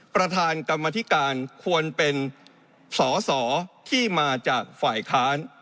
ประธานกรรมธิการควรเป็นสอสอที่มาจากฝ่ายค้าน